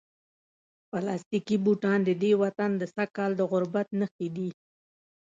پلاستیکي بوټان د دې وطن د سږکال د غربت نښې دي.